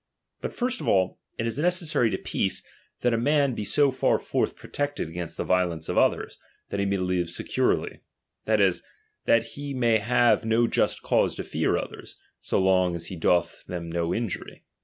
But first of all, it is necessary to peace, that a man be so far forth protected against the violence of others, that he may live securely ; that is, that he may have no just cause to fear others, so long as he doth them no injury.